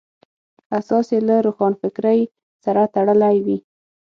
اساس یې له روښانفکرۍ سره تړلی وي.